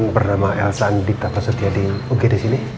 bernama el sandi atau setia di ug di sini